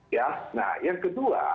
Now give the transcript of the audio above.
dan yang kedua